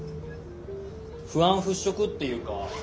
不安払拭っていうか